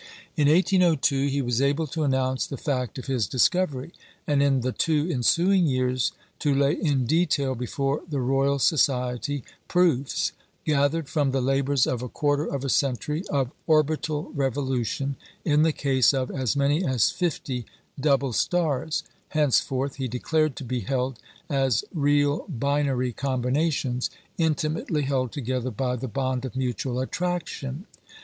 In 1802 he was able to announce the fact of his discovery, and in the two ensuing years, to lay in detail before the Royal Society proofs, gathered from the labours of a quarter of a century, of orbital revolution in the case of as many as fifty double stars, henceforth, he declared, to be held as real binary combinations, "intimately held together by the bond of mutual attraction."